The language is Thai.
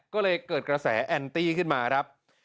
ก็เลยเกิดกระแสแอนตี้ขึ้นมาครับ